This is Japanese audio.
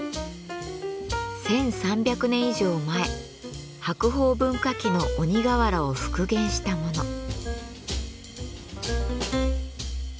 １，３００年以上前白鳳文化期の鬼瓦を復元したもの。